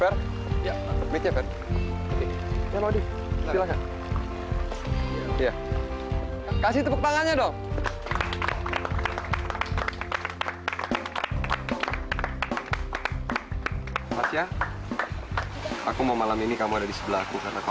perhentikan kesepakatan dan verstu melalui kedific mucha kayaknya